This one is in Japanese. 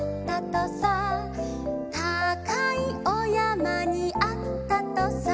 「たかいおやまにあったとさ」